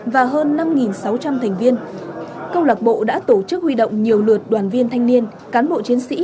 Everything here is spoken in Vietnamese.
và hơn năm sáu trăm linh thành viên câu lạc bộ đã tổ chức huy động nhiều lượt đoàn viên thanh niên cán bộ chiến sĩ